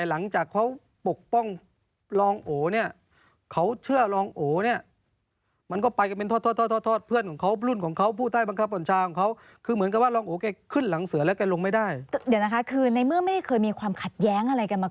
แล้วก็ถึงกับขึ้นสารกัน